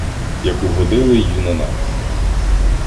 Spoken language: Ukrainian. Як угодили Юнонати